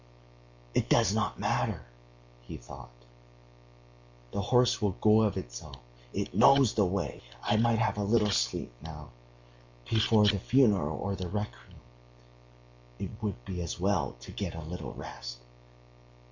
"It does not matter," he thought, "the horse will go of itself, it knows the way. I might have a little sleep now.... Before the funeral or the requiem it would be as well to get a little rest...."